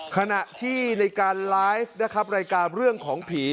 ขณะที่ในการไลฟ์นะครับรายการเรื่องของผี